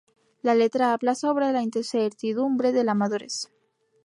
La letra habla sobre la incertidumbre de la madurez.